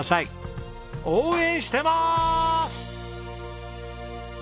応援してまーす！